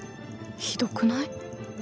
ひどくない？